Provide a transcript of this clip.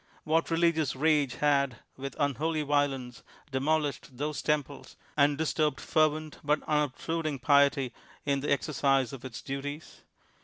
What religious rage had, with unholy violence, demolished those temples, and disturbed fervent, but unobtrudiug piety in the exercise of its duties